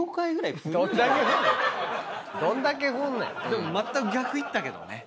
でもまったく逆いったけどね。